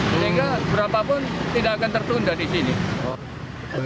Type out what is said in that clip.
sehingga berapapun tidak akan tertunda di sini